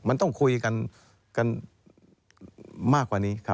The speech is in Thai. มันต้องคุยกันมากกว่านี้ครับ